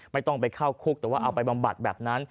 ไม่ต้องไปเข้าคุกแต่ว่าเอาไปบำบัดแบบนั้น